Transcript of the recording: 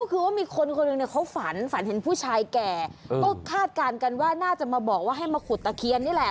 ก็คือว่ามีคนคนหนึ่งเนี่ยเขาฝันฝันเห็นผู้ชายแก่ก็คาดการณ์กันว่าน่าจะมาบอกว่าให้มาขุดตะเคียนนี่แหละ